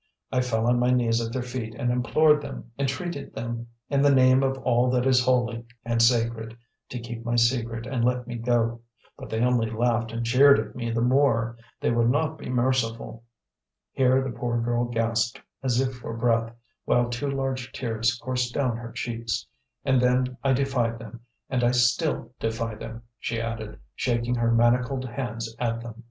I fell on my knees at their feet, and implored them, entreated them in the name of all that is holy and sacred, to keep my secret and let me go; but they only laughed and jeered at me the more; they would not be merciful," here the poor girl gasped as if for breath, while two large tears coursed down her cheeks, "and then I defied them, and I still defy them," she added, shaking her manacled hands at them.